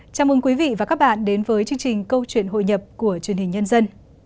chào mừng quý vị và các bạn đến với chương trình câu chuyện hội nhập của truyền hình nhân dân